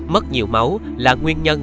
mất nhiều máu là nguyên nhân